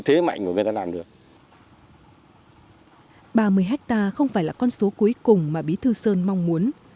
ba mươi hectare không phải là con số cuối cùng mà bí thư sơn mong muốn